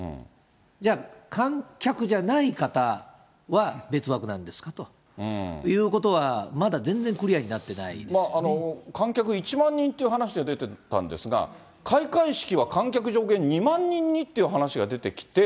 じゃあ、観客じゃない方は別枠なんですか？ということは、まだ全観客１万人という話で出てたんですが、開会式は観客上限２万人にっていう話が出てきて。